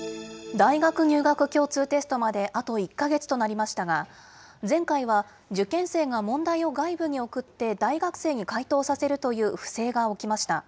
大学入学共通テストまであと１か月となりましたが、前回は受験生が問題を外部に送って、大学生に解答させるという不正が起きました。